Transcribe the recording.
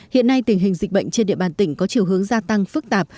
hiện nay tình hình dịch bệnh trên địa bàn tỉnh có chiều hướng gia tăng phức tạp